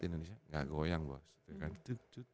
indonesia gak goyang buat